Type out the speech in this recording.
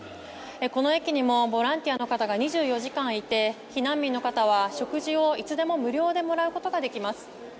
この駅にもボランティアの方が２４時間いて避難民の方は食事をいつでも無料でもらうことができます。